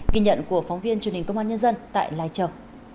kỳ nhận của phóng viên truyền hình công an nhân dân tại lai châu